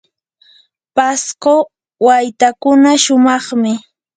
pasco waytakuna shumaqmi.